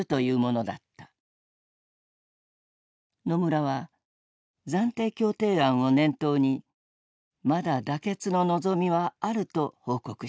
野村は暫定協定案を念頭にまだ妥結の望みはあると報告した。